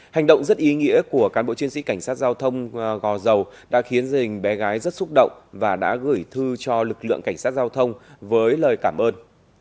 hành động rất ý nghĩa của cán bộ chiến sĩ cảnh sát giao thông gò dầu đã khiến dành bé gái rất xúc động và đã gửi thư cho lực lượng cảnh sát giao thông với lời cảm ơn